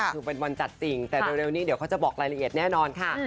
คือเป็นวันจัดจริงแต่เร็วนี้เดี๋ยวเขาจะบอกรายละเอียดแน่นอนค่ะ